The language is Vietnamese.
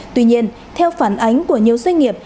tuy nhiên theo phản ánh của nhiều doanh nghiệp